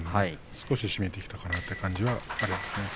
少し締めてきたなという感じが見られますね。